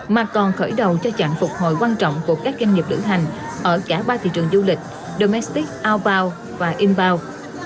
mà còn khởi đầu cho trạng phục hồi quan trọng của các doanh nghiệp lữ hành ở cả ba thị trường du lịch domestic outbound và inbound